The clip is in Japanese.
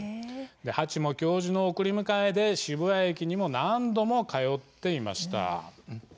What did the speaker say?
ハチも、教授の送り迎えで渋谷駅にも何度も通っていました。